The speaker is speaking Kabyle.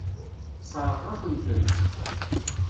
Sseṛɣeɣ-aken-tent.